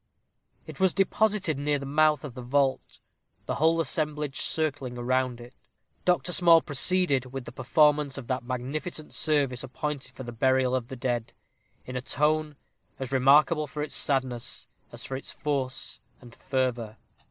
It was deposited near the mouth of the vault, the whole assemblage circling around it. Dr. Small proceeded with the performance of that magnificent service appointed for the burial of the dead, in a tone as remarkable for its sadness as for its force and fervor.